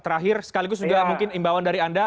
terakhir sekaligus juga mungkin imbauan dari anda